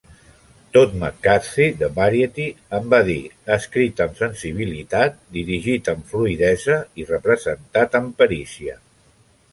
Todd McCarthy de "Variety" en va dir "escrit amb sensibilitat, dirigit amb fluïdesa i representat amb perícia".